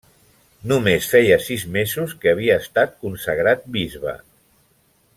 Només feia sis mesos que havia estat consagrat bisbe.